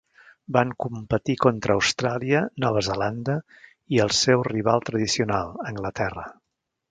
Van competir contra Austràlia, Nova Zelanda i els seu rival tradicional, Anglaterra.